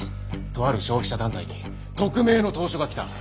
とある消費者団体に匿名の投書が来た。